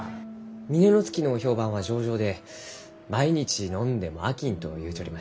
峰乃月の評判は上々で毎日飲んでも飽きんと言うちょりました。